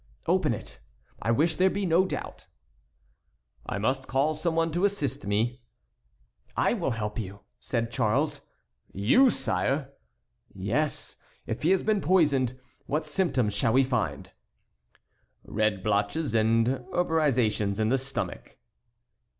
"Open it. I wish there to be no doubt." "I must call some one to assist me." "I will help you," said Charles. "You, sire!" "Yes. If he has been poisoned, what symptoms shall we find?" "Red blotches and herborizations in the stomach."